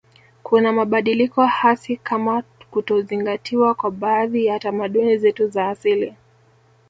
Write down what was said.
Kuna mabadiliko hasi kama kutozingatiwa kwa baadhi ya tamaduni zetu za asili